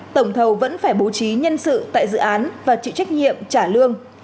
tổng thầu vẫn phải bố trí nhân sự tại dự án và chịu trách nhiệm trả lương